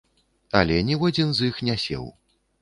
Але ніводзін з іх не сеў.